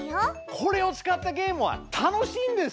これを使ったゲームは楽しいんです！